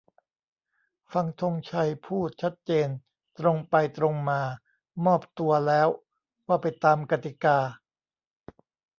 ฟัง ธงชัย พูด ชัดเจน ตรงไปตรงมา "มอบตัว" แล้วว่าไปตามกติกา